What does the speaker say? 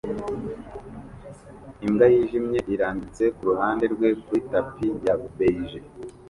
Imbwa yijimye irambitse kuruhande rwe kuri tapi ya beige